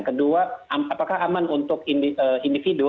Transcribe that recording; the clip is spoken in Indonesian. kedua apakah aman untuk individu